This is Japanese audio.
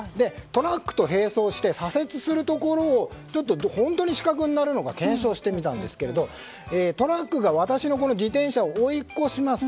トラックと並走して左折するところを本当に死角になるのか検証してみたんですがトラックが私の自転車を追い越します。